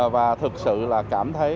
và thực sự là cảm thấy